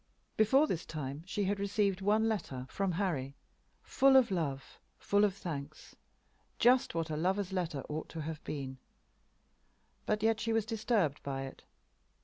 Before this time she had received one letter from Harry, full of love, full of thanks, just what a lover's letter ought to have been; but yet she was disturbed by it.